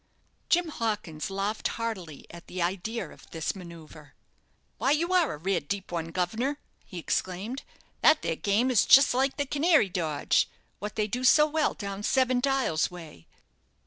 Jim Hawkins laughed heartily at the idea of this manoeuvre. "Why you are a rare deep one, guv'nor," he exclaimed; "that there game is just like the canary dodge, what they do so well down Seven Dials way.